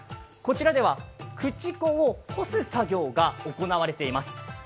こちらではくちこを干す作業が行われています。